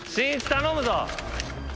頼むぞ。